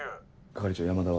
係長山田は？